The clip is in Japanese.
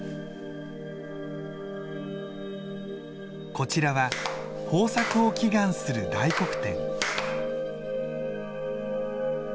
こちらは豊作を祈願する大黒天。